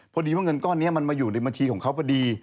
พอดีว่าเงินก้อนนี้มันมาอยู่ในบัญชีของเขาพอดี